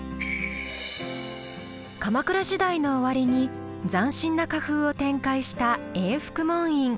鎌倉時代の終わりに斬新な歌風を展開した永福門院。